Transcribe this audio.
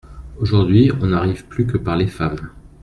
Aujourd’hui on n’arrive plus que par les femmes.